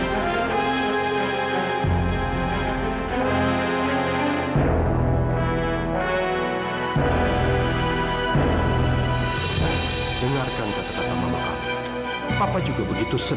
bagaimana perasaan kamu terhadap andara